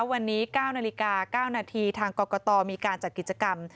วันนี้๙นาฬิกา๙นาทีทางกรกตมีการจัดกิจกรรม